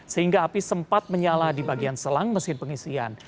sehingga api sempat menyala di bagian selang mesin pengisian